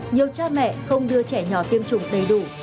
nhiều cha mẹ không đưa trẻ nhỏ tiêm chủng đầy đủ